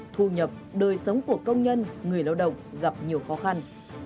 thu nhập đời sống của công nhân người lao động gặp nhiều khó khăn